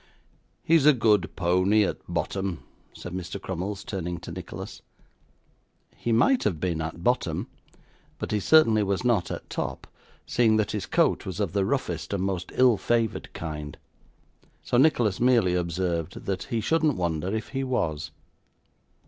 'He's a good pony at bottom,' said Mr. Crummles, turning to Nicholas. He might have been at bottom, but he certainly was not at top, seeing that his coat was of the roughest and most ill favoured kind. So, Nicholas merely observed that he shouldn't wonder if he was.